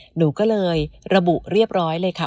หนูก็เลยระบุเรียบร้อยเลยค่ะ